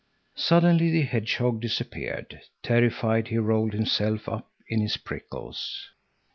Suddenly the hedgehog disappeared, terrified he rolled himself up in his prickles.